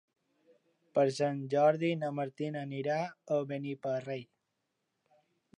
Per Sant Jordi na Martina anirà a Beniparrell.